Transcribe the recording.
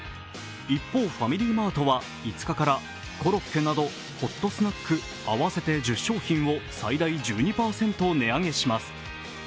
一方、ファミリーマートは５日からコロッケなどホットスナック合わせて１０商品を最大１２％値上げします。